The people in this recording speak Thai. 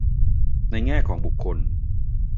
ในแง่ของบุคคล